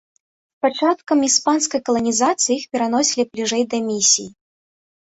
З пачаткам іспанскай каланізацыі іх пераносілі бліжэй да місій.